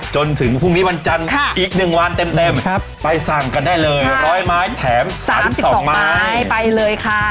จนถึงพรุ่งนี้วันจันทร์อีก๑วันเต็มไปสั่งกันได้เลย๑๐๐ไม้แถม๓๒ไม้ไปเลยค่ะ